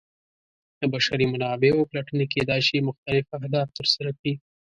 د بشري منابعو پلټنې کیدای شي مختلف اهداف ترسره کړي.